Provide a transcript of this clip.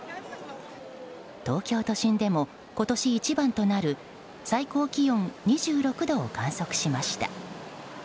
東京都心でも今年一番となる最高気温２６度を観測しました。